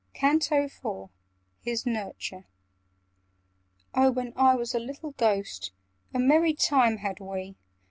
CANTO IV Hys Nouryture "OH, when I was a little Ghost, A merry time had we!